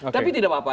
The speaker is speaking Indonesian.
tapi tidak apa apa